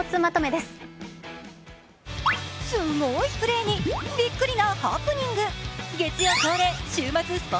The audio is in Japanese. すごいプレーにびっくりなハプニング。